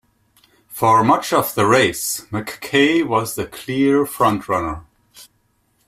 For much of the race, MacKay was the clear front-runner.